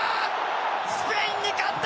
スペインに勝った！